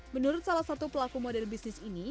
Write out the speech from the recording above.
menurut salah satu pelaku model bisnis ini